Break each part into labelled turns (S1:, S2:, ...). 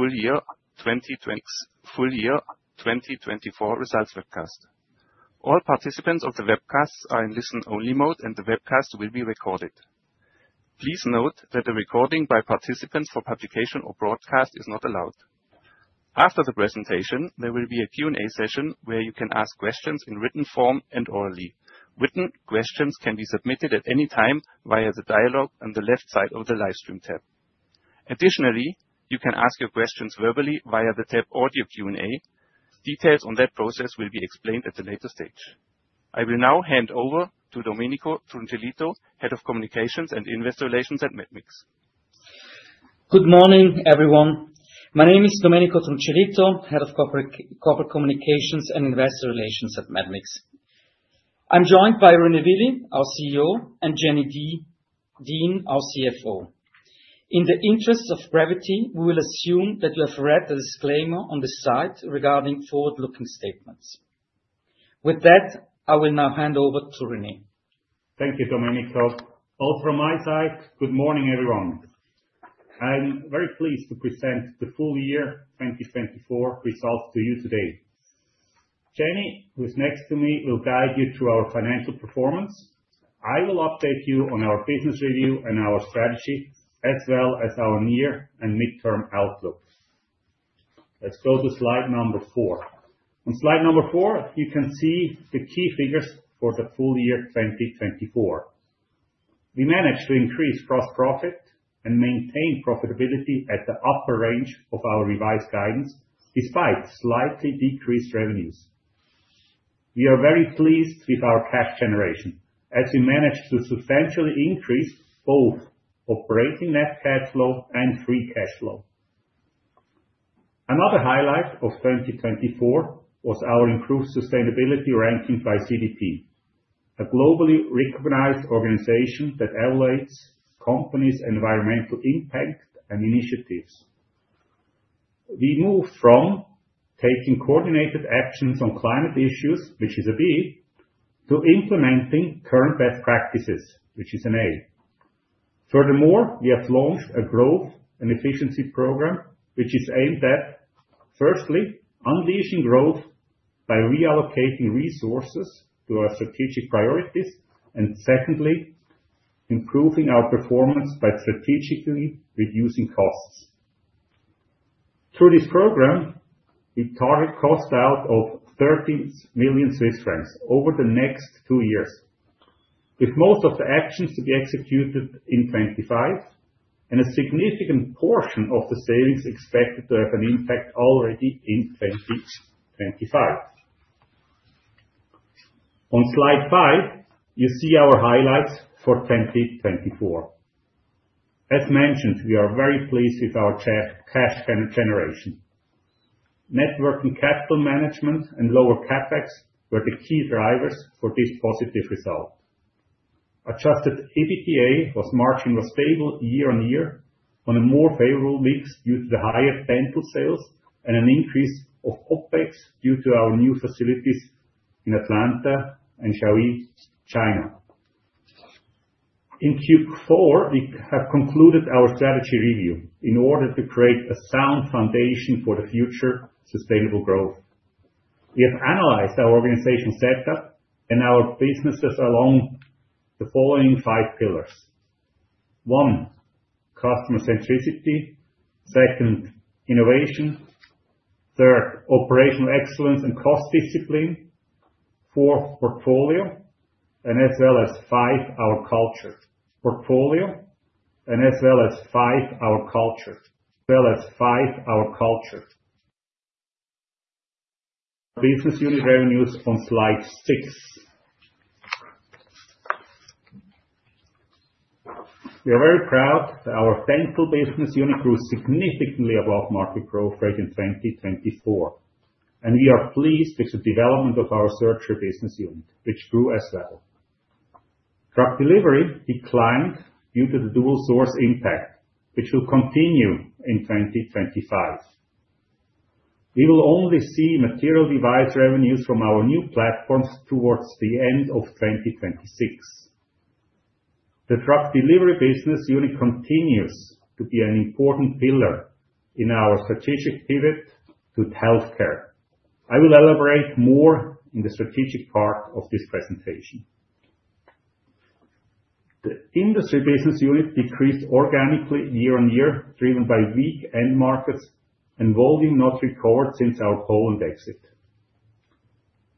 S1: Full year 2024 Results Webcast. All participants of the webcast are in listen-only mode, and the webcast will be recorded. Please note that the recording by participants for publication or broadcast is not allowed. After the presentation, there will be a Q&A session where you can ask questions in written form and orally. Written questions can be submitted at any time via the dialogue on the left side of the Livestream tab. Additionally, you can ask your questions verbally via the tab Audio Q&A. Details on that process will be explained at the later stage. I will now hand over to Domenico Truncellito, Head of Communications and Investor Relations at Medmix.
S2: Good morning, everyone. My name is Domenico Truncellito, Head of Corporate Communications and Investor Relations at Medmix. I'm joined by René Willi, our CEO, and Jenny Dean, our CFO. In the interest of brevity, we will assume that you have read the disclaimer on the site regarding forward-looking statements. With that, I will now hand over to René.
S3: Thank you, Domenico. Also, from my side, good morning, everyone. I'm very pleased to present the full year 2024 results to you today. Jenny, who's next to me, will guide you through our financial performance. I will update you on our business review and our strategy, as well as our near and midterm outlook. Let's go to slide number four. On slide number four, you can see the key figures for the full year 2024. We managed to increase gross profit and maintain profitability at the upper range of our revised guidance, despite slightly decreased revenues. We are very pleased with our cash generation, as we managed to substantially increase both operating net cash flow and free cash flow. Another highlight of 2024 was our improved sustainability ranking by CDP, a globally recognized organization that evaluates companies' environmental impact and initiatives. We moved from taking coordinated actions on climate issues, which is a B, to implementing current best practices, which is an A. Furthermore, we have launched a growth and efficiency program, which is aimed at, firstly, unleashing growth by reallocating resources to our strategic priorities, and secondly, improving our performance by strategically reducing costs. Through this program, we target cost out of 13 million Swiss francs over the next two years, with most of the actions to be executed in 2025, and a significant portion of the savings expected to have an impact already in 2025. On slide five, you see our highlights for 2024. As mentioned, we are very pleased with our cash generation. Net working capital management and lower CapEx were the key drivers for this positive result. Adjusted EBITDA margin was stable year-on-year on a more favorable mix due to the higher dental sales and an increase of OPEX due to our new facilities in Atlanta and Qiaoyi, China. In Q4, we have concluded our strategy review in order to create a sound foundation for the future sustainable growth. We have analyzed our organizational setup and our businesses along the following five pillars: one, customer centricity; second, innovation; third, operational excellence and cost discipline; fourth, portfolio; and as well as five, our culture. Business unit revenues on slide six. We are very proud that our Dental business unit grew significantly above market growth rate in 2024, and we are pleased with the development of our Surgery business unit, which grew as well. Drug Delivery declined due to the dual sourcing impact, which will continue in 2025. We will only see material device revenues from our new platforms towards the end of 2026. The Drug Delivery business unit continues to be an important pillar in our strategic pivot to healthcare. I will elaborate more in the strategic part of this presentation. The Industry business unit decreased organically year-on-year, driven by weak end markets and volume not recovered since our Poland exit.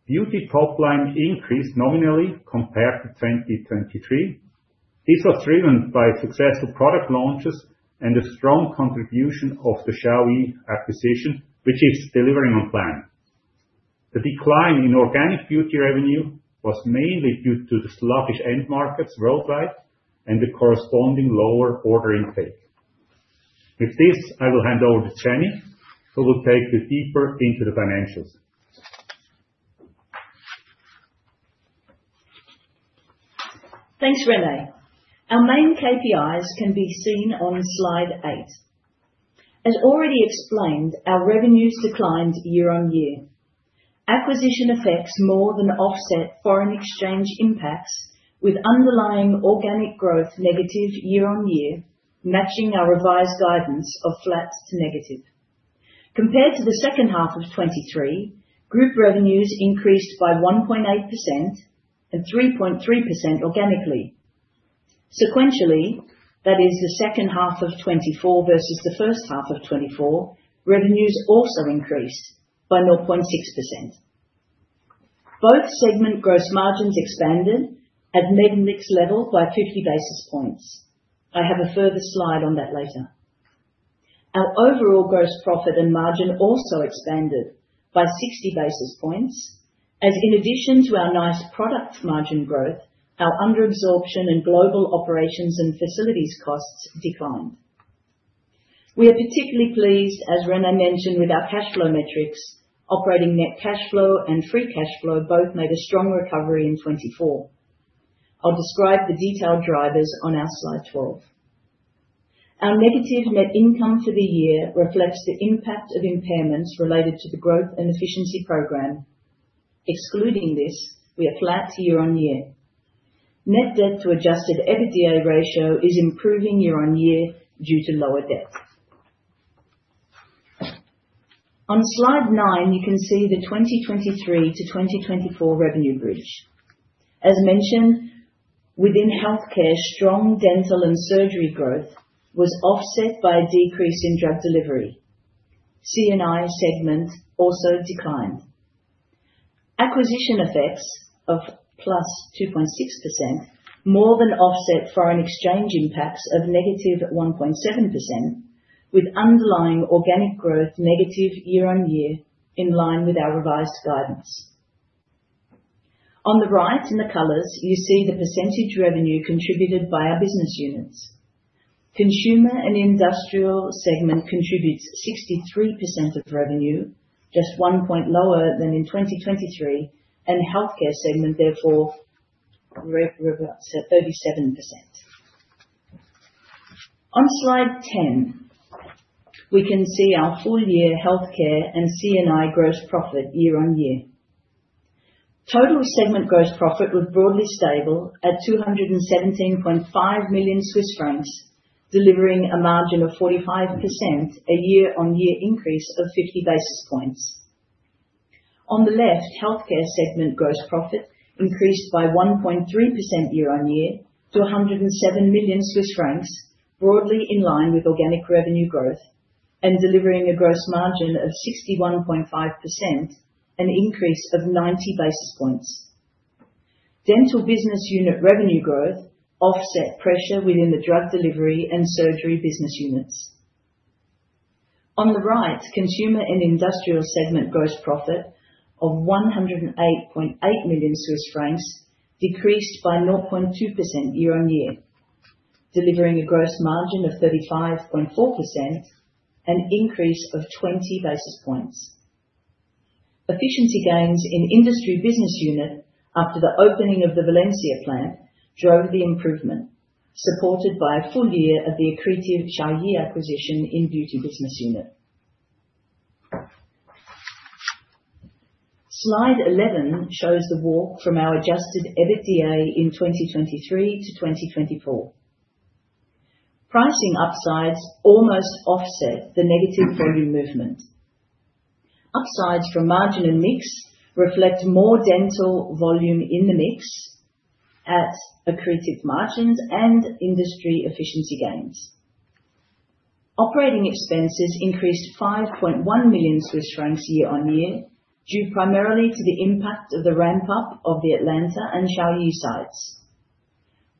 S3: Beauty top line increased nominally compared to 2023. This was driven by successful product launches and a strong contribution of the Qiaoyi acquisition, which is delivering on plan. The decline in organic beauty revenue was mainly due to the sluggish end markets worldwide and the corresponding lower order intake. With this, I will hand over to Jenny, who will take you deeper into the financials.
S4: Thanks, René. Our main KPIs can be seen on slide eight. As already explained, our revenues declined year-on-year. Acquisition effects more than offset foreign exchange impacts, with underlying organic growth negative year-on-year, matching our revised guidance of flat to negative. Compared to the second half of 2023, group revenues increased by 1.8% and 3.3% organically. Sequentially, that is, the second half of 2024 versus the first half of 2024, revenues also increased by 0.6%. Both segment gross margins expanded at Medmix level by 50 basis points. I have a further slide on that later. Our overall gross profit and margin also expanded by 60 basis points, as in addition to our nice product margin growth, our underabsorption and global operations and facilities costs declined. We are particularly pleased, as René mentioned, with our cash flow metrics. Operating net cash flow and free cash flow both made a strong recovery in 2024. I'll describe the detailed drivers on our slide 12. Our negative net income for the year reflects the impact of impairments related to the growth and efficiency program. Excluding this, we are flat year-on-year. Net debt to Adjusted EBITDA ratio is improving year-on-year due to lower debt. On slide nine, you can see the 2023 to 2024 revenue bridge. As mentioned, within healthcare, strong dental and surgery growth was offset by a decrease in drug delivery. C&I segment also declined. Acquisition effects of plus 2.6% more than offset foreign exchange impacts of negative 1.7%, with underlying organic growth negative year-on-year, in line with our revised guidance. On the right in the colors, you see the percentage revenue contributed by our business units. Consumer and industrial segment contributes 63% of revenue, just one point lower than in 2023, and healthcare segment, therefore, 37%. On slide 10, we can see our full year healthcare and C&I gross profit year-on-year. Total segment gross profit was broadly stable at 217.5 million Swiss francs, delivering a margin of 45%, a year-on-year increase of 50 basis points. On the left, healthcare segment gross profit increased by 1.3% year-on-year to 107 million Swiss francs, broadly in line with organic revenue growth and delivering a gross margin of 61.5%, an increase of 90 basis points. Dental business unit revenue growth offset pressure within the drug delivery and surgery business units. On the right, consumer and industrial segment gross profit of 108.8 million Swiss francs decreased by 0.2% year-on-year, delivering a gross margin of 35.4%, an increase of 20 basis points. Efficiency gains in industry business unit after the opening of the Valencia plant drove the improvement, supported by a full year of the accretive Qiaoyi acquisition in beauty business unit. Slide 11 shows the walk from our Adjusted EBITDA in 2023 to 2024. Pricing upsides almost offset the negative volume movement. Upsides from margin and mix reflect more dental volume in the mix at accretive margins and industry efficiency gains. Operating expenses increased 5.1 million Swiss francs year-on-year due primarily to the impact of the ramp-up of the Atlanta and Qiaoyi sites.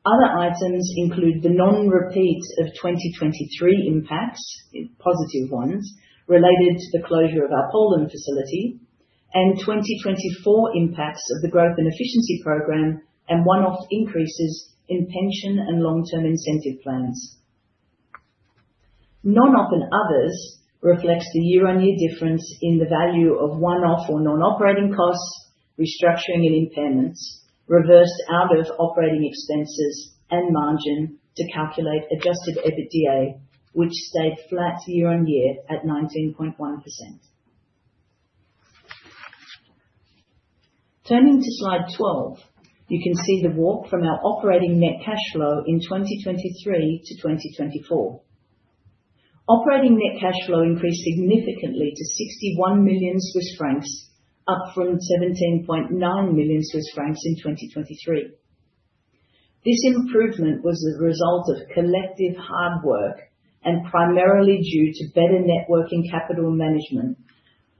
S4: Other items include the non-repeat of 2023 impacts, positive ones, related to the closure of our Poland facility, and 2024 impacts of the growth and efficiency program and one-off increases in pension and long-term incentive plans. Non-op and others reflects the year-on-year difference in the value of one-off or non-operating costs, restructuring and impairments, reversed out of operating expenses and margin to calculate Adjusted EBITDA, which stayed flat year-on-year at 19.1%. Turning to slide 12, you can see the walk from our operating net cash flow in 2023 to 2024. Operating net cash flow increased significantly to 61 million Swiss francs, up from 17.9 million Swiss francs in 2023. This improvement was the result of collective hard work and primarily due to better net working capital management,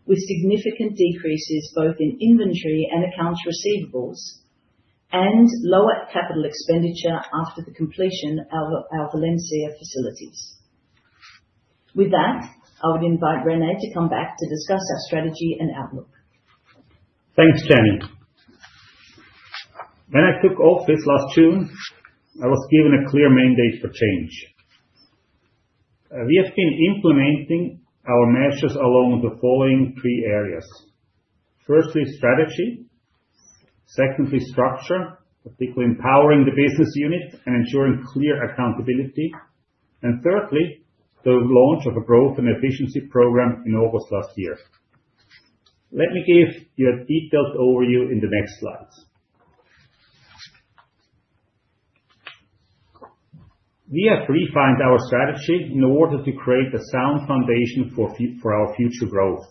S4: with significant decreases both in inventory and accounts receivable and lower capital expenditure after the completion of our Valencia facilities. With that, I would invite René to come back to discuss our strategy and outlook.
S3: Thanks, Jenny. When I took office last June, I was given a clear mandate for change. We have been implementing our measures along the following three areas. Firstly, strategy. Secondly, structure, particularly empowering the business unit and ensuring clear accountability. And thirdly, the launch of a growth and efficiency program in August last year. Let me give you a detailed overview in the next slides. We have refined our strategy in order to create a sound foundation for our future growth.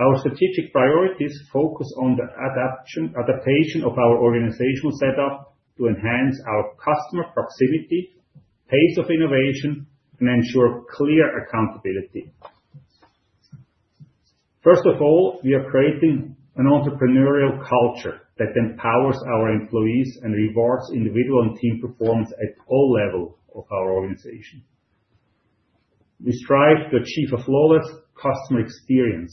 S3: Our strategic priorities focus on the adaptation of our organizational setup to enhance our customer proximity, pace of innovation, and ensure clear accountability. First of all, we are creating an entrepreneurial culture that empowers our employees and rewards individual and team performance at all levels of our organization. We strive to achieve a flawless customer experience.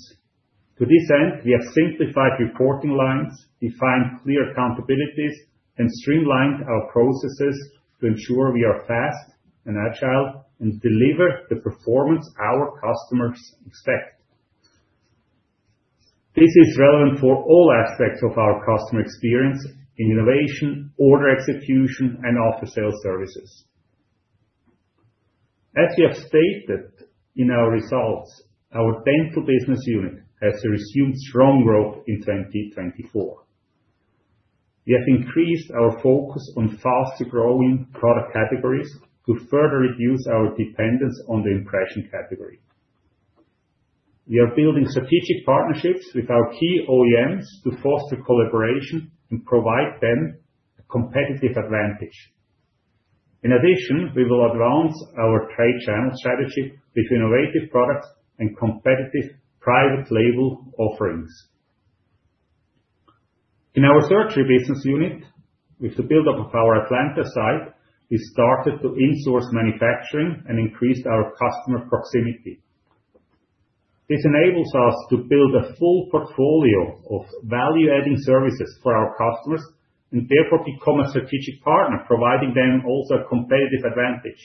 S3: To this end, we have simplified reporting lines, defined clear accountabilities, and streamlined our processes to ensure we are fast and agile and deliver the performance our customers expect. This is relevant for all aspects of our customer experience in innovation, order execution, and after-sales services. As we have stated in our results, our dental business unit has resumed strong growth in 2024. We have increased our focus on faster-growing product categories to further reduce our dependence on the impression category. We are building strategic partnerships with our key OEMs to foster collaboration and provide them a competitive advantage. In addition, we will advance our trade channel strategy with innovative products and competitive private label offerings. In our surgery business unit, with the buildup of our Atlanta site, we started to insource manufacturing and increased our customer proximity. This enables us to build a full portfolio of value-adding services for our customers and therefore become a strategic partner, providing them also a competitive advantage.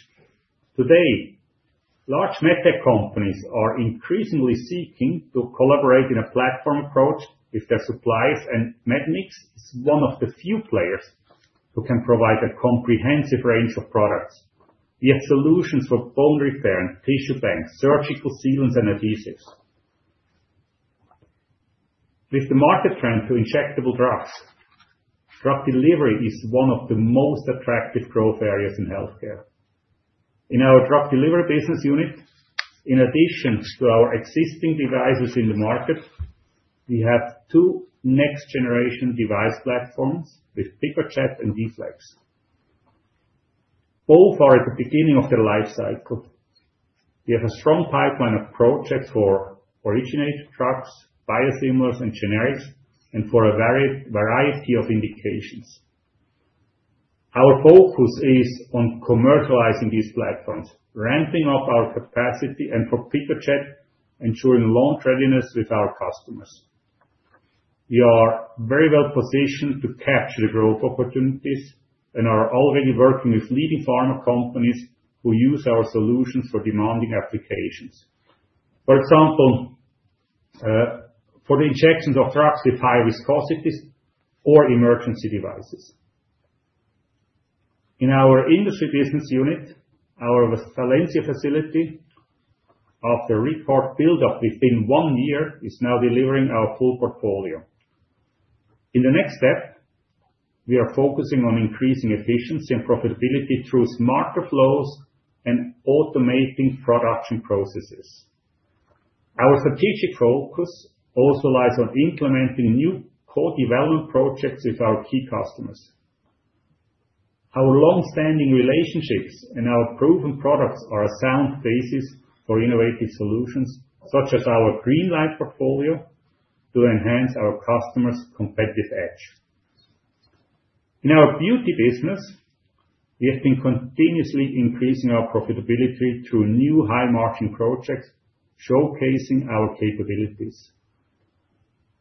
S3: Today, large medtech companies are increasingly seeking to collaborate in a platform approach if their suppliers and Medmix is one of the few players who can provide a comprehensive range of products. We have solutions for bone repair and tissue banks, surgical sealants, and adhesives. With the market trend to injectable drugs, drug delivery is one of the most attractive growth areas in healthcare. In our drug delivery business unit, in addition to our existing devices in the market, we have two next-generation device platforms with PiccoJect and D-Flex. Both are at the beginning of their life cycle. We have a strong pipeline of projects for originator drugs, biosimilars, and generics, and for a variety of indications. Our focus is on commercializing these platforms, ramping up our capacity, and for PiccoJect, ensuring long readiness with our customers. We are very well positioned to capture the growth opportunities and are already working with leading pharma companies who use our solutions for demanding applications. For example, for the injections of drugs with high viscosities or emergency devices. In our Industry Business Unit, our Valencia facility, after a record buildup within one year, is now delivering our full portfolio. In the next step, we are focusing on increasing efficiency and profitability through smarter flows and automating production processes. Our strategic focus also lies on implementing new co-development projects with our key customers. Our long-standing relationships and our proven products are a sound basis for innovative solutions, such as our GreenLine portfolio, to enhance our customers' competitive edge. In our beauty business, we have been continuously increasing our profitability through new high-margin projects, showcasing our capabilities.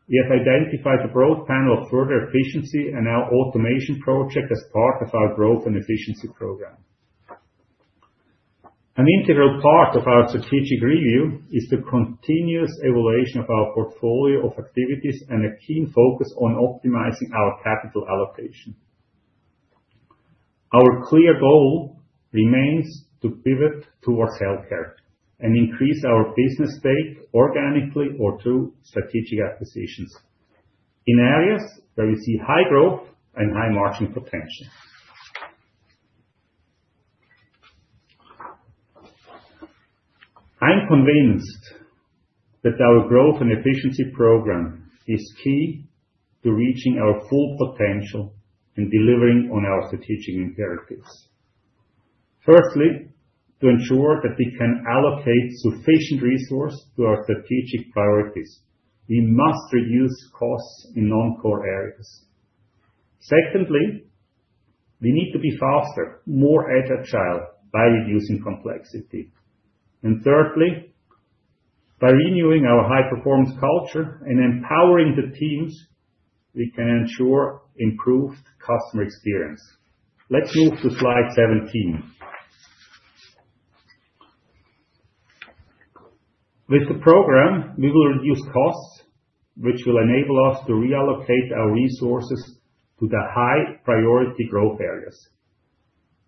S3: We have identified a broad potential for further efficiency and our automation project as part of our growth and efficiency program. An integral part of our strategic review is the continuous evaluation of our portfolio of activities and a keen focus on optimizing our capital allocation. Our clear goal remains to pivot towards healthcare and increase our business stake organically or through strategic acquisitions in areas where we see high growth and high margin potential. I'm convinced that our growth and efficiency program is key to reaching our full potential and delivering on our strategic imperatives. Firstly, to ensure that we can allocate sufficient resources to our strategic priorities, we must reduce costs in non-core areas. Secondly, we need to be faster, more agile by reducing complexity. Thirdly, by renewing our high-performance culture and empowering the teams, we can ensure improved customer experience. Let's move to slide 17. With the program, we will reduce costs, which will enable us to reallocate our resources to the high-priority growth areas.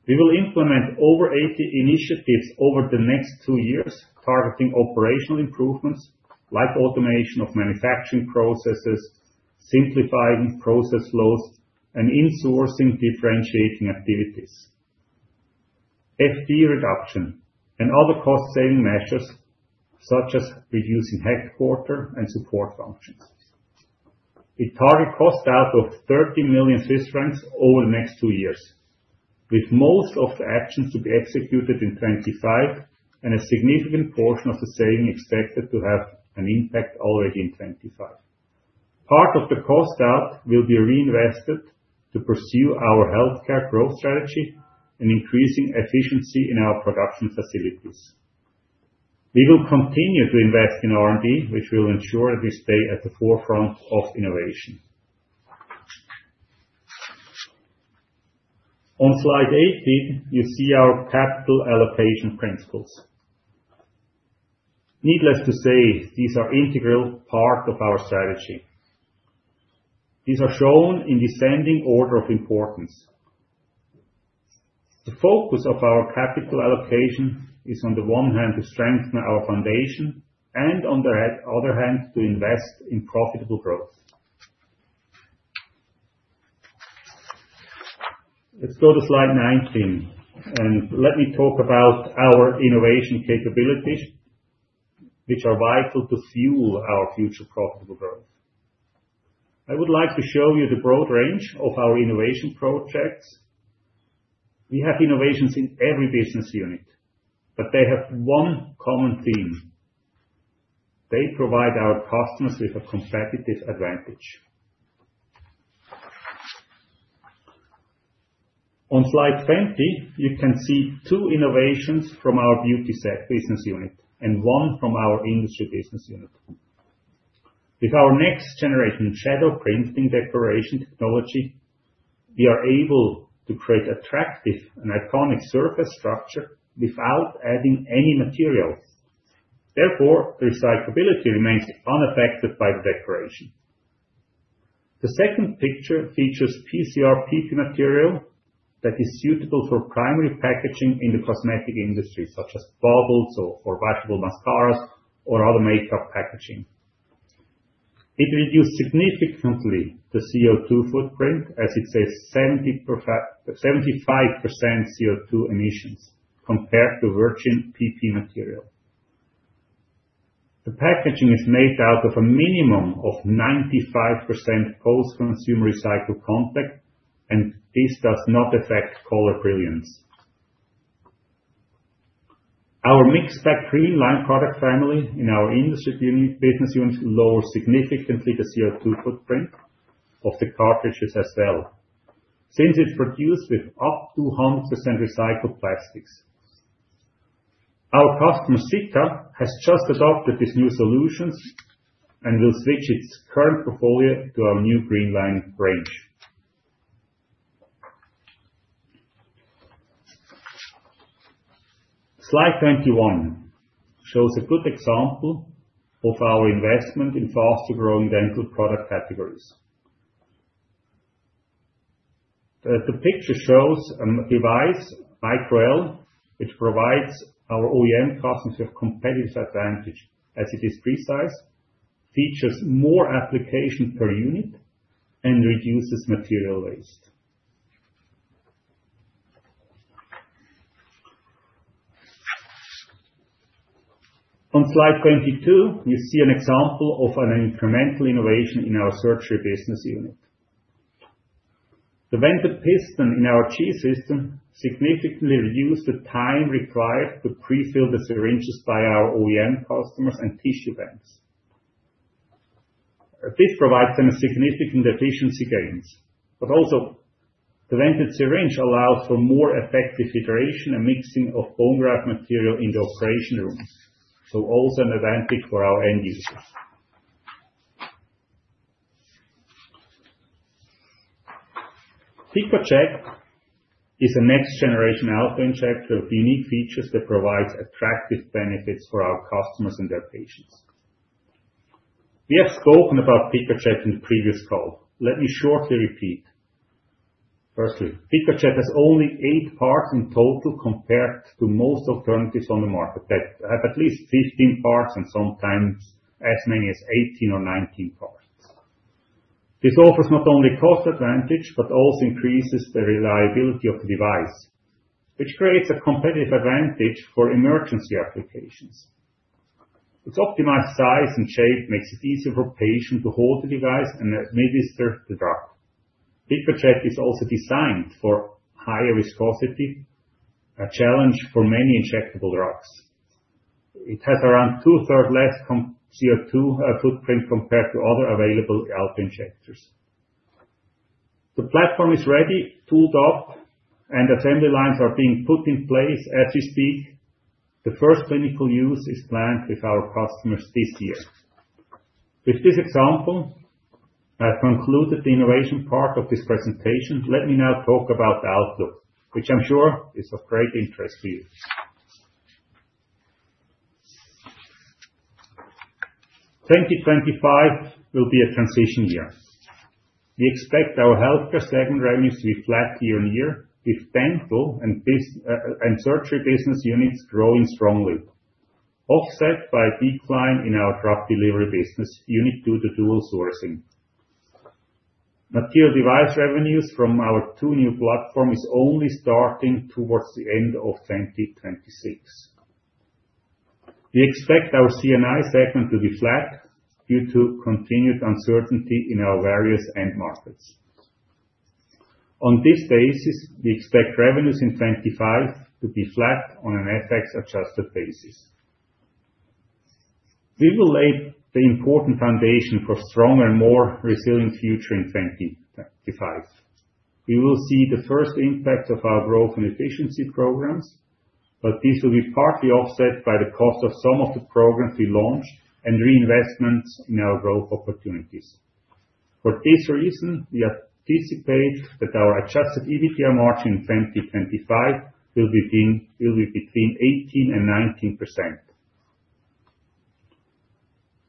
S3: We will implement over 80 initiatives over the next two years, targeting operational improvements like automation of manufacturing processes, simplifying process flows, and insourcing differentiating activities, FTE reduction, and other cost-saving measures, such as reducing headquarters and support functions. We target cost out of 30 million Swiss francs over the next two years, with most of the actions to be executed in 2025 and a significant portion of the saving expected to have an impact already in 2025. Part of the cost out will be reinvested to pursue our healthcare growth strategy and increasing efficiency in our production facilities. We will continue to invest in R&D, which will ensure that we stay at the forefront of innovation. On slide 18, you see our capital allocation principles. Needless to say, these are an integral part of our strategy. These are shown in descending order of importance. The focus of our capital allocation is, on the one hand, to strengthen our foundation and, on the other hand, to invest in profitable growth. Let's go to slide 19, and let me talk about our innovation capabilities, which are vital to fuel our future profitable growth. I would like to show you the broad range of our innovation projects. We have innovations in every business unit, but they have one common theme. They provide our customers with a competitive advantage. On slide 20, you can see two innovations from our Beauty business unit and one from our Industry business unit. With our next-generation shadow printing decoration technology, we are able to create attractive and iconic surface structure without adding any materials. Therefore, the recyclability remains unaffected by the decoration. The second picture features PCR PP material that is suitable for primary packaging in the cosmetic industry, such as bottles or for washable mascara or other makeup packaging. It reduced significantly the CO2 footprint as it saves 75% CO2 emissions compared to virgin PP material. The packaging is made out of a minimum of 95% post-consumer recycled content, and this does not affect color brilliance. Our MIXPAC GreenLine product family in our industry business unit lowers significantly the CO2 footprint of the cartridges as well since it's produced with up to 100% recycled plastics. Our customer Sika has just adopted these new solutions and will switch its current portfolio to our new GreenLine range. Slide 21 shows a good example of our investment in faster-growing dental product categories. The picture shows a device, MicroL, which provides our OEM customers with a competitive advantage as it is pre-sized, features more applications per unit, and reduces material waste. On slide 22, you see an example of an incremental innovation in our Surgery business unit. The vented piston in our G-System significantly reduced the time required to prefill the syringes by our OEM customers and tissue banks. This provides them a significant efficiency gain, but also the vented syringe allows for more effective agitation and mixing of bone graft material in the operating room, so also an advantage for our end users. PiccoJect is a next-generation auto-injector with unique features that provides attractive benefits for our customers and their patients. We have spoken about PiccoJect in the previous call. Let me shortly repeat. Firstly, PiccoJect has only eight parts in total compared to most alternatives on the market that have at least 15 parts and sometimes as many as 18 or 19 parts. This offers not only cost advantage, but also increases the reliability of the device, which creates a competitive advantage for emergency applications. Its optimized size and shape make it easier for patients to hold the device and administer the drug. PiccoJect is also designed for higher viscosity, a challenge for many injectable drugs. It has around two-thirds less CO2 footprint compared to other available autoinjectors. The platform is ready, tooled up, and assembly lines are being put in place as we speak. The first clinical use is planned with our customers this year. With this example, I've concluded the innovation part of this presentation. Let me now talk about the outlook, which I'm sure is of great interest to you. 2025 will be a transition year. We expect our healthcare segment revenues to be flat year-on-year, with dental and surgery business units growing strongly, offset by a decline in our drug delivery business unit due to dual sourcing. Medical device revenues from our two new platforms are only starting towards the end of 2026. We expect our C&I segment to be flat due to continued uncertainty in our various end markets. On this basis, we expect revenues in 2025 to be flat on an FX-adjusted basis. We will lay the important foundation for a stronger and more resilient future in 2025. We will see the first impact of our growth and efficiency programs, but this will be partly offset by the cost of some of the programs we launched and reinvestments in our growth opportunities. For this reason, we anticipate that our Adjusted EBITDA margin in 2025 will be between 18% and 19%.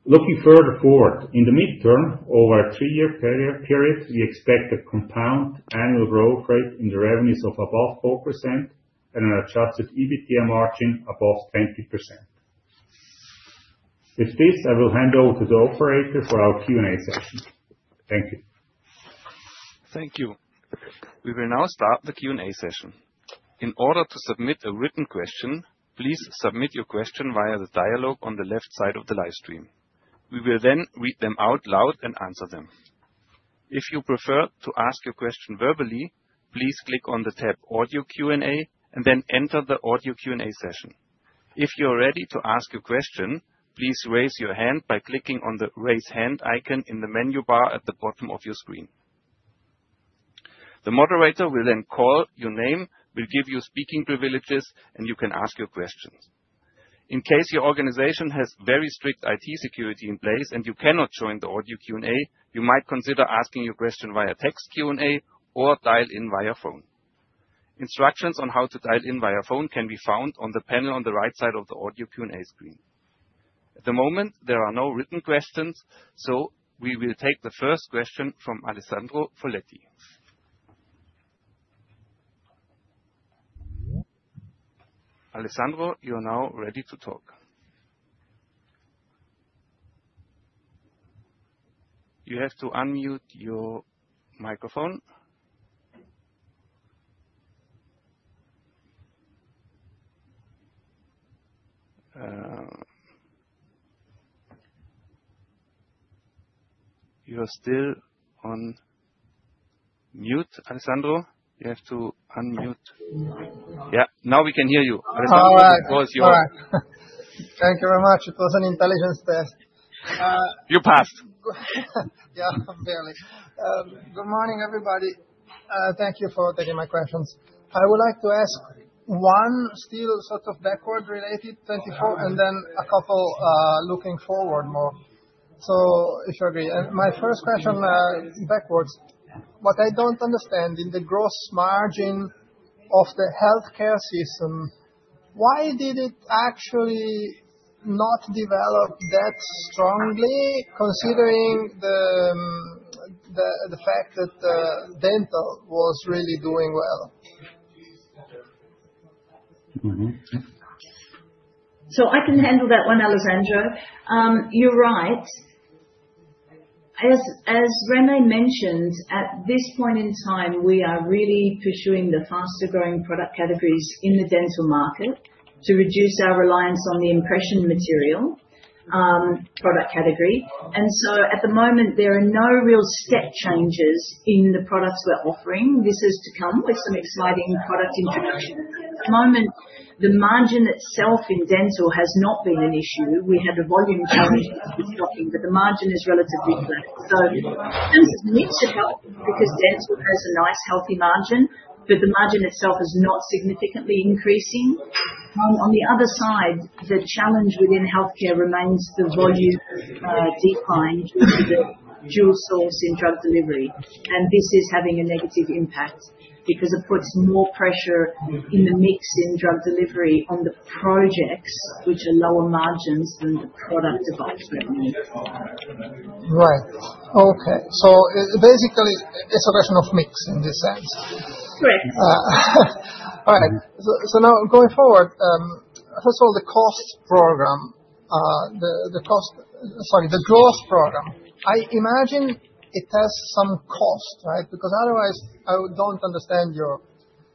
S3: Looking further forward, in the midterm over a three-year period, we expect a compound annual growth rate in the revenues of above 4% and an Adjusted EBITDA margin above 20%. With this, I will hand over to the operator for our Q&A session. Thank you.
S1: Thank you. We will now start the Q&A session. In order to submit a written question, please submit your question via the dialogue on the left side of the live stream. We will then read them out loud and answer them. If you prefer to ask your question verbally, please click on the tab "Audio Q&A" and then enter the audio Q&A session. If you are ready to ask your question, please raise your hand by clicking on the "Raise Hand" icon in the menu bar at the bottom of your screen. The moderator will then call your name, will give you speaking privileges, and you can ask your questions. In case your organization has very strict IT security in place and you cannot join the audio Q&A, you might consider asking your question via text Q&A or dial in via phone. Instructions on how to dial in via phone can be found on the panel on the right side of the audio Q&A screen. At the moment, there are no written questions, so we will take the first question from Alessandro Foletti. Alessandro, you are now ready to talk. You have to unmute your microphone. You are still on mute, Alessandro. You have to unmute. Yeah, now we can hear you. Alessandro, it was yours. Thank you very much. It was an intelligence test.
S3: You passed. Yeah, barely. Good morning, everybody. Thank you for taking my questions. I would like to ask one still sort of backward-related 24 and then a couple looking forward more. So if you agree, and my first question backwards, what I don't understand in the gross margin of the healthcare system, why did it actually not develop that strongly considering the fact that dental was really doing well?
S4: So I can handle that one, Alessandro. You're right. As René mentioned, at this point in time, we are really pursuing the faster-growing product categories in the dental market to reduce our reliance on the impression material product category. At the moment, there are no real step changes in the products we're offering. This is to come with some exciting product introduction. At the moment, the margin itself in dental has not been an issue. We had a volume challenge with stocking, but the margin is relatively flat. So dental needs to help because dental has a nice healthy margin, but the margin itself is not significantly increasing. On the other side, the challenge within healthcare remains the volume decline due to the dual sourcing in drug delivery. And this is having a negative impact because it puts more pressure in the mix in drug delivery on the projects, which are lower margins than the product device revenue. Right. Okay. So basically, it's a question of mix in this sense. Correct. All right. So now going forward, first of all, the cost program, the cost, sorry, the growth program, I imagine it has some cost, right? Because otherwise, I don't understand your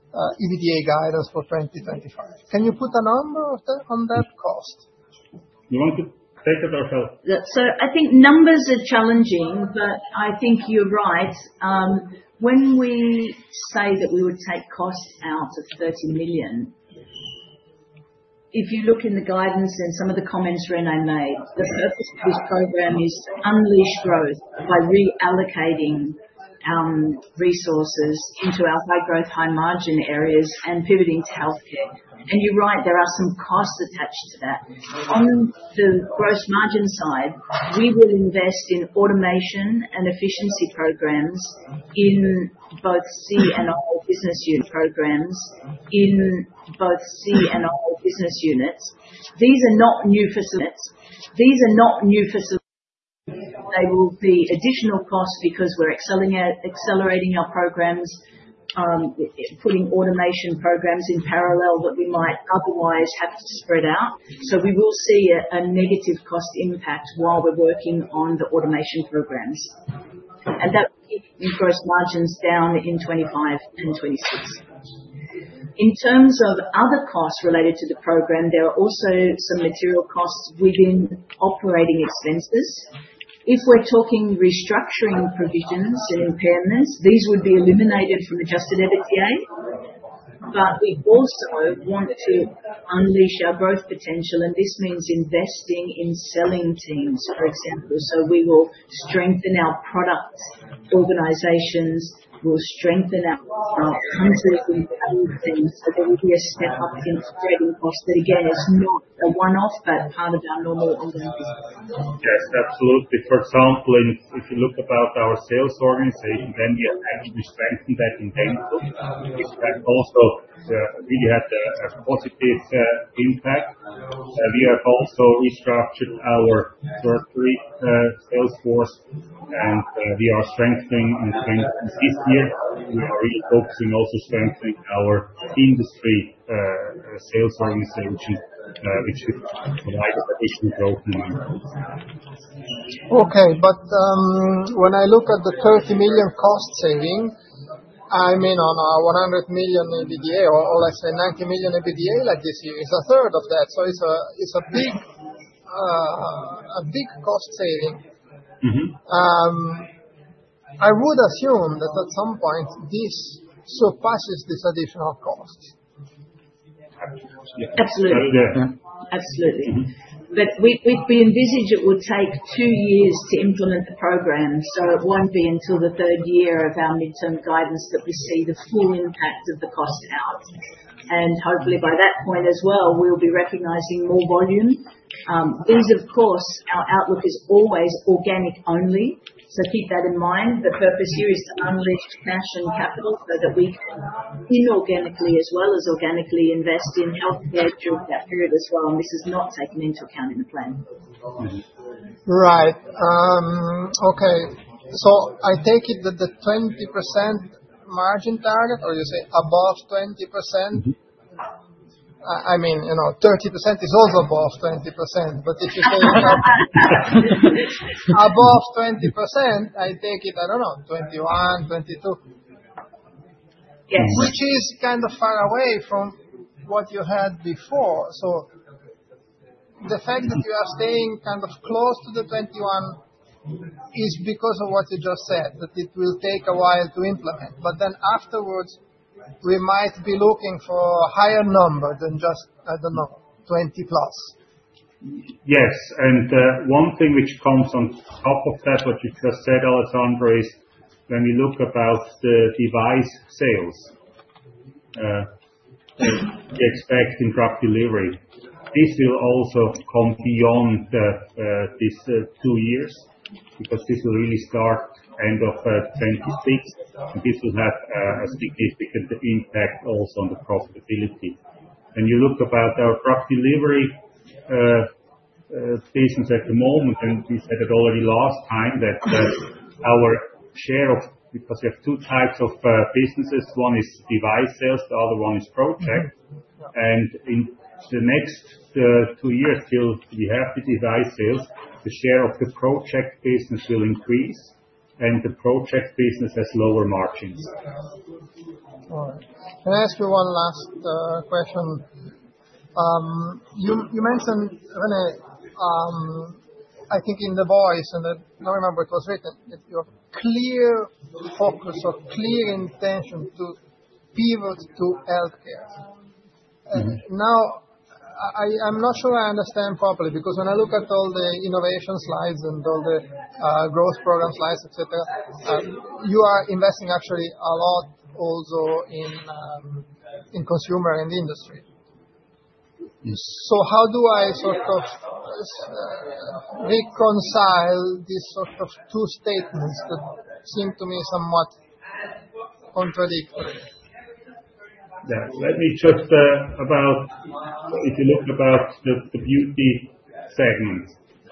S4: EBITDA guidance for 2025. Can you put a number on that cost?
S3: You want to take it or no?
S4: So I think numbers are challenging, but I think you're right. When we say that we would take cost out of 30 million, if you look in the guidance and some of the comments René made, the purpose of this program is to unleash growth by reallocating resources into our high-growth, high-margin areas and pivoting to healthcare. And you're right, there are some costs attached to that. On the gross margin side, we will invest in automation and efficiency programs in both C&I and all business units. These are not new facilities. These are not new facilities. They will be additional costs because we're accelerating our programs, putting automation programs in parallel that we might otherwise have to spread out, so we will see a negative cost impact while we're working on the automation programs, and that will keep gross margins down in 2025 and 2026. In terms of other costs related to the program, there are also some material costs within operating expenses. If we're talking restructuring provisions and impairments, these would be eliminated from Adjusted EBITDA, but we also want to unleash our growth potential, and this means investing in selling teams, for example, so we will strengthen our product organizations, we'll strengthen our country teams so that we can be a step up against trading costs, but again, it's not a one-off, but part of our normal ongoing business.
S3: Yes, absolutely. For example, if you look about our sales organization, then we have actually strengthened that in dental. We have also really had a positive impact. We have also restructured our surgery sales force, and we are strengthening and strengthening this year. We are really focusing also strengthening our industry sales organization, which should provide us additional growth in numbers. Okay. But when I look at the CHF 30 million cost saving, I mean, on our 100 million EBITDA or let's say 90 million EBITDA like this year, it's a third of that. So it's a big cost saving. I would assume that at some point, this surpasses this additional cost.
S4: Absolutely. Absolutely. But we envisage it would take two years to implement the program. So it won't be until the third year of our midterm guidance that we see the full impact of the cost out. And hopefully, by that point as well, we'll be recognizing more volume. These, of course, our outlook is always organic only. So keep that in mind. The purpose here is to unleash cash and capital so that we can inorganically as well as organically invest in healthcare during that period as well. And this is not taken into account in the plan. Right. Okay. So I take it that the 20% margin target, or you say above 20%? I mean, 30% is also above 20%. But if you say above 20%, I take it, I don't know, 21%, 22%. Yes. Which is kind of far away from what you had before. So the fact that you are staying kind of close to the 21% is because of what you just said, that it will take a while to implement. But then afterwards, we might be looking for a higher number than just, I don't know, 20 plus.
S3: Yes. And one thing which comes on top of that, what you just said, Alessandro, is when we look about the device sales we expect in drug delivery. This will also come beyond these two years because this will really start end of 2026. And this will have a significant impact also on the profitability. When you look about our drug delivery business at the moment, and we said it already last time that our share of, because we have two types of businesses, one is device sales, the other one is project. And in the next two years, still, we have the device sales. The share of the project business will increase, and the project business has lower margins. All right. Can I ask you one last question? You mentioned, René, I think in the voice, and I don't remember if it was written, your clear focus or clear intention to pivot to healthcare. Now, I'm not sure I understand properly because when I look at all the innovation slides and all the growth program slides, etc., you are investing actually a lot also in consumer and industry. So how do I sort of reconcile these sort of two statements that seem to me somewhat contradictory? Yeah. Let me just about, if you look about the beauty segment.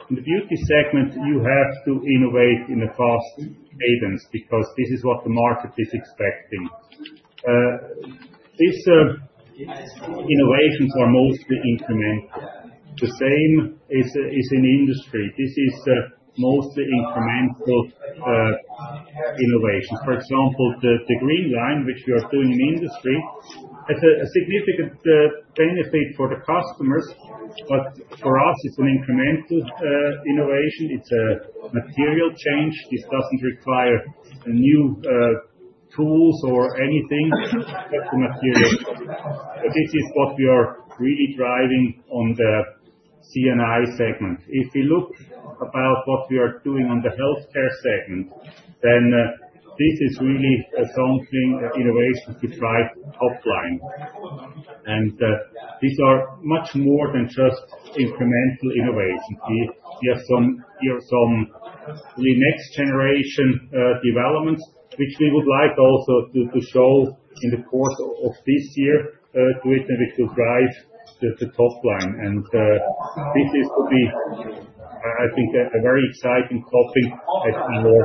S3: In the beauty segment, you have to innovate in a fast cadence because this is what the market is expecting. These innovations are mostly incremental. The same is in industry. This is mostly incremental innovation. For example, the GreenLine, which we are doing in industry, has a significant benefit for the customers, but for us, it's an incremental innovation. It's a material change. This doesn't require new tools or anything. It's a material. But this is what we are really driving on the C and I segment. If you look about what we are doing on the healthcare segment, then this is really something, innovation to drive top line. And these are much more than just incremental innovations. We have some really next-generation developments, which we would like also to show in the course of this year to it, and we could drive the top line. And this is to be, I think, a very exciting topic at our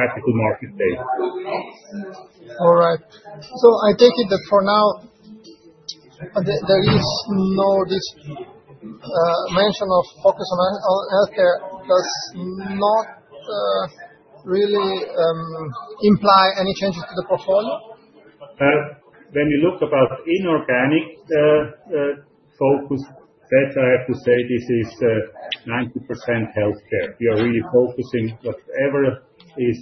S3: capital market day. All right. So I take it that for now, there is no mention of focus on healthcare does not really imply any changes to the portfolio? When you look about inorganic focus, that I have to say this is 90% healthcare. We are really focusing on whatever is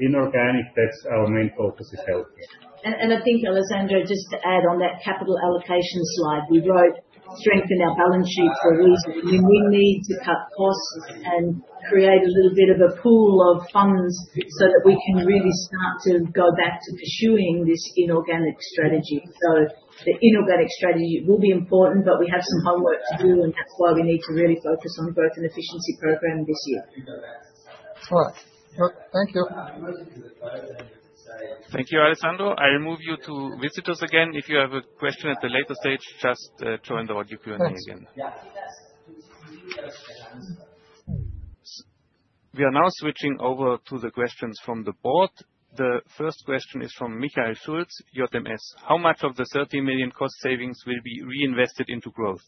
S3: inorganic. That's our main focus is healthcare.
S4: And I think, Alessandro, just to add on that capital allocation slide, we wrote "strengthen our balance sheet" for a reason. We need to cut costs and create a little bit of a pool of funds so that we can really start to go back to pursuing this inorganic strategy. So the inorganic strategy will be important, but we have some homework to do, and that's why we need to really focus on the growth and efficiency program this year. All right. Thank you.
S1: Thank you, Alessandro. I invite you to visit us again. If you have a question at a later stage, just join the audio Q&A again. We are now switching over to the questions from the floor. The first question is from Michael Schulz, JMS. How much of the 30 million cost savings will be reinvested into growth?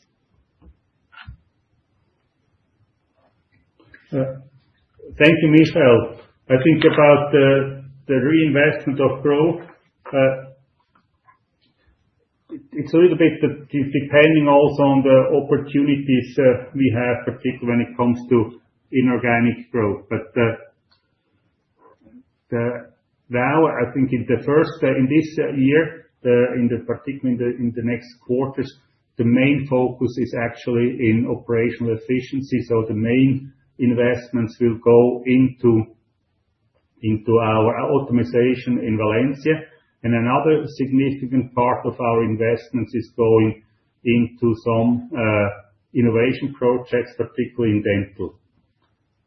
S3: Thank you, Michael. I think about the reinvestment of growth, it's a little bit depending also on the opportunities we have, particularly when it comes to inorganic growth. But now, I think in this year, in particular in the next quarters, the main focus is actually in operational efficiency. So the main investments will go into our optimization in Valencia. And another significant part of our investments is going into some innovation projects, particularly in dental.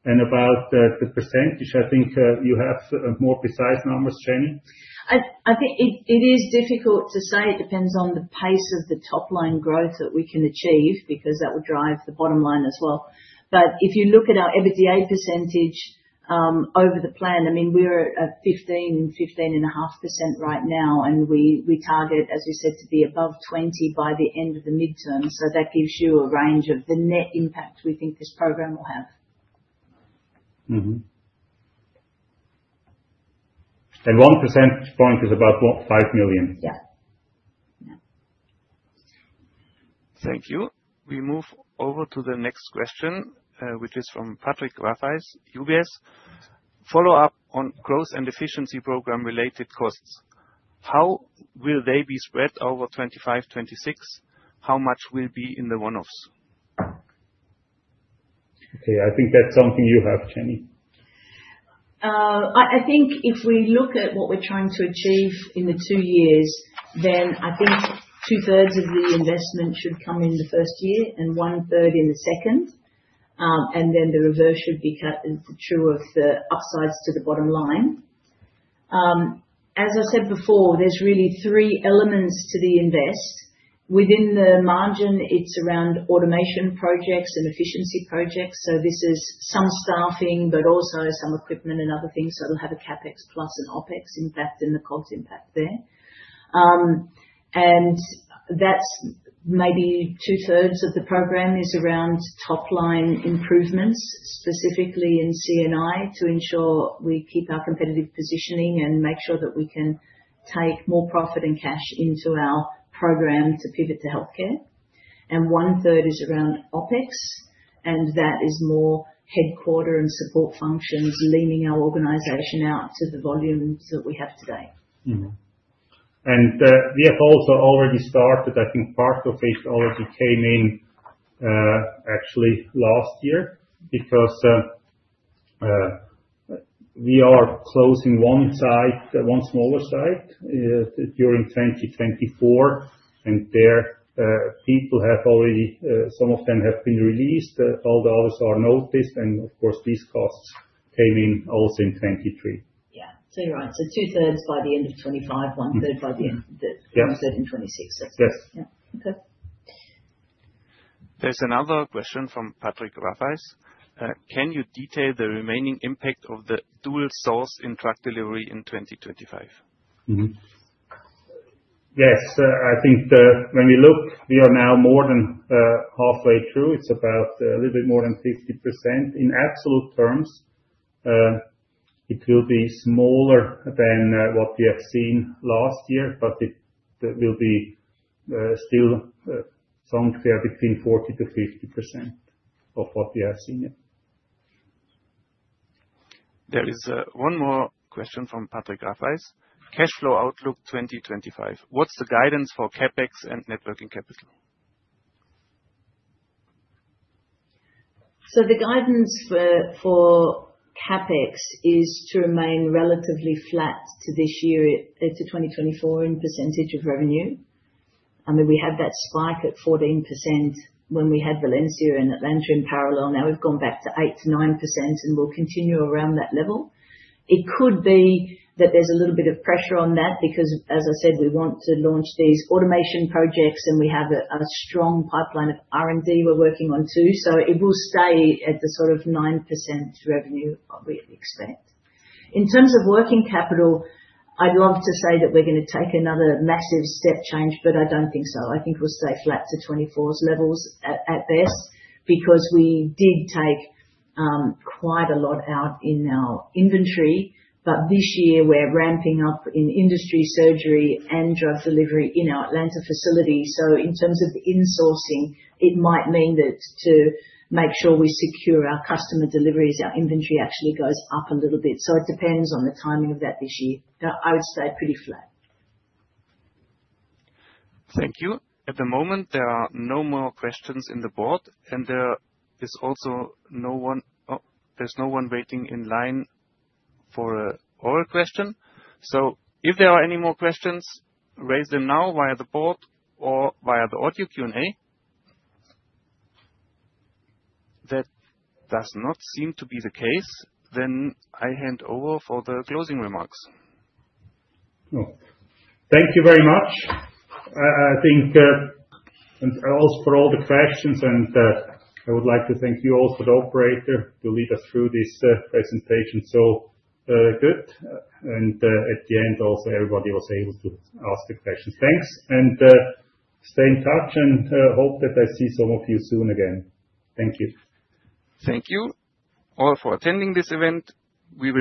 S3: And about the percentage, I think you have more precise numbers, Jenny?
S4: I think it is difficult to say. It depends on the pace of the top line growth that we can achieve because that will drive the bottom line as well. But if you look at our EBITDA percentage over the plan, I mean, we're at 15-15.5% right now. And we target, as you said, to be above 20% by the end of the midterm. So that gives you a range of the net impact we think this program will have.
S3: And 1% point is about what? 5 million? Yeah.
S1: Thank you. We move over to the next question, which is from Patrick Rafaisz, UBS. Follow up on growth and efficiency program related costs. How will they be spread over 2025, 2026? How much will be in the one-offs?
S3: Okay. I think that's something you have, Jenny.
S4: I think if we look at what we're trying to achieve in the two years, then I think two-thirds of the investment should come in the first year and one-third in the second. And then the reverse should be true of the upsides to the bottom line. As I said before, there's really three elements to the invest. Within the margin, it's around automation projects and efficiency projects. So this is some staffing, but also some equipment and other things. So it'll have a CapEx plus an OpEx impact and the COGS impact there. And that's maybe two-thirds of the program is around top line improvements, specifically in C and I, to ensure we keep our competitive positioning and make sure that we can take more profit and cash into our program to pivot to healthcare. And one-third is around OpEx. And that is more headquarters and support functions, leaning our organization out to the volumes that we have today.
S3: And we have also already started. I think part of it already came in actually last year because we are closing one site, one smaller site during 2024, and their people have already, some of them have been released. All the others are noticed, and of course, these costs came in also in 2023.
S4: Yeah. So you're right, so two-thirds by the end of 2025, one-third by the end of 2026.
S3: Yes.
S1: Yes. Okay. There's another question from Patrick Grattais. Can you detail the remaining impact of the dual source in drug delivery in 2025?
S3: Yes. I think when we look, we are now more than halfway through. It's about a little bit more than 50%. In absolute terms, it will be smaller than what we have seen last year, but it will be still somewhere between 40%-50% of what we have seen.
S1: There is one more question from Patrick Grattais. Cash flow outlook 2025. What's the guidance for CapEx and net working capital?
S4: So the guidance for CapEx is to remain relatively flat to this year, to 2024, in percentage of revenue. I mean, we had that spike at 14% when we had Valencia and Atlanta in parallel. Now we've gone back to 8%-9%, and we'll continue around that level. It could be that there's a little bit of pressure on that because, as I said, we want to launch these automation projects, and we have a strong pipeline of R&D we're working on too. So it will stay at the sort of 9% revenue we expect. In terms of working capital, I'd love to say that we're going to take another massive step change, but I don't think so. I think we'll stay flat to 2024's levels at best because we did take quite a lot out in our inventory. But this year, we're ramping up in industry surgery and drug delivery in our Atlanta facility. So in terms of the insourcing, it might mean that to make sure we secure our customer deliveries, our inventory actually goes up a little bit. So it depends on the timing of that this year. I would stay pretty flat.
S1: Thank you. At the moment, there are no more questions in the board. And there is also no one waiting in line for our question. So if there are any more questions, raise them now via the board or via the audio Q&A. That does not seem to be the case. Then I hand over for the closing remarks.
S3: Thank you very much. I think also for all the questions, and I would like to thank you also, the operator, to lead us through this presentation. So good. And at the end, also everybody was able to ask the questions. Thanks. And stay in touch and hope that I see some of you soon again. Thank you.
S1: Thank you all for attending this event. We.